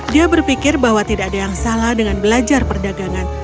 dia berpikir bahwa tidak ada yang salah dengan belajar perdagangan